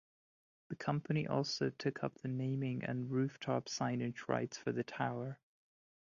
The company also took up the naming and rooftop signage rights for the tower.